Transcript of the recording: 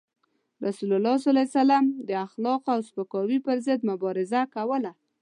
رسول الله صلى الله عليه وسلم د اخلاقو او سپکاوي پر ضد مبارزه کوله.